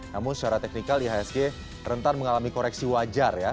namun secara teknikal ihsg rentan mengalami koreksi wajar ya